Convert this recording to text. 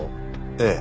ええ。